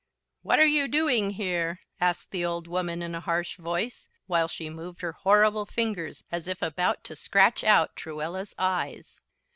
"What are you doing here?" asked the old woman, in a harsh voice, while she moved her horrible fingers, as if about to scratch out Truella's eyes.